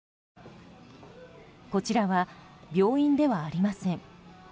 こちらは病院ではありません。